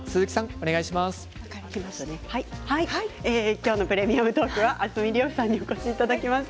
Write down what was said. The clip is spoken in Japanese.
今日の「プレミアムトーク」は明日海りおさんにお越しいただきました。